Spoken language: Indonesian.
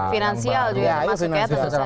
finansial juga dimasukin ya